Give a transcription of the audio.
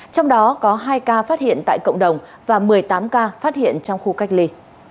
trong đó có hai ca phát hiện tại cộng đồng và một mươi tám ca phát hiện trong khu cách ly